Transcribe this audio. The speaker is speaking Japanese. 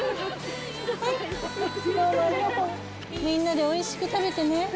みんなでおいしく食べてね。